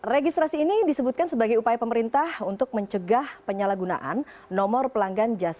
registrasi ini disebutkan sebagai upaya pemerintah untuk mencegah penyalahgunaan nomor pelanggan jasa